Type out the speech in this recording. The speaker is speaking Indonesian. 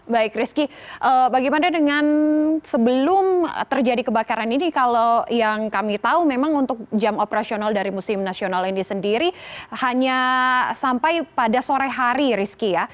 baik rizky bagaimana dengan sebelum terjadi kebakaran ini kalau yang kami tahu memang untuk jam operasional dari museum nasional ini sendiri hanya sampai pada sore hari rizky ya